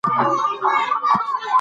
هغه ځمکې چې لاندې کوي، دولتي دي.